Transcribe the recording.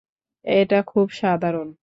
এটা খুবই সাধারণ।